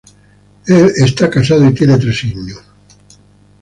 Él está casado y tiene tres niños.